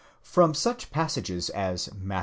From such passages as Matt.